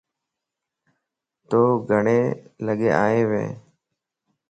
تون گڙين لگين آئين وينيَ؟